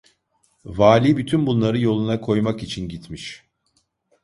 Vali bütün bunları yoluna koymak için gitmiş…